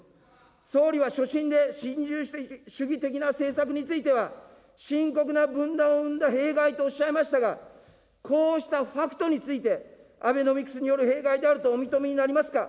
総理は所信で、新自由主義的な政策については、深刻な分断を生んだ弊害とおっしゃいましたが、こうしたファクトについて、アベノミクスによる弊害であるとお認めになりますか。